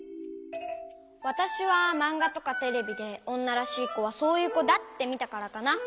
わたしはまんがとかテレビでおんならしいこはそういうこだってみたからかな。